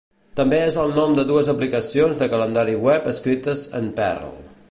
També és el nom de dues aplicacions de calendari web escrites en Perl.